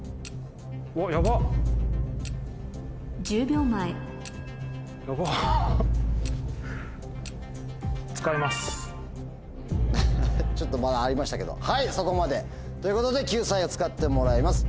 １０秒前ちょっとまだありましたけどはいそこまで。ということで救済を使ってもらいます。